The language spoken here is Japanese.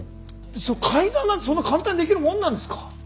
それ改ざんなんてそんな簡単にできるもんなんですか？